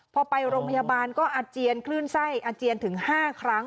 พอไปโรงพยาบาลก็อาเจียนคลื่นไส้อาเจียนถึง๕ครั้ง